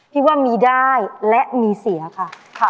พี่ว่ามีได้และมีเสียค่ะ